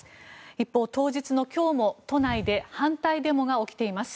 一方、当日の今日も都内で反対デモが起きています。